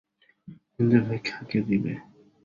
কিন্তু ভিক্ষা কে দেবে?